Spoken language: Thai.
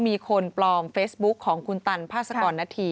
มีคนปลอมเฟซบุ๊กของคุณตันพน